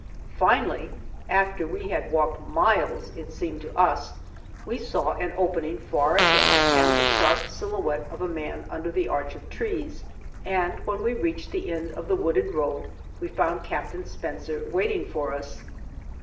Finally, after we had walked miles, it seemed to us, we saw an opening far ahead, and the sharp silhouette of a man under the arch of trees, and when we reached the end of the wooded road we found Captain Spencer waiting for us.